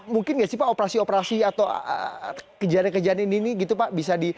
mungkin nggak sih pak operasi operasi atau kejadian kejadian ini gitu pak bisa di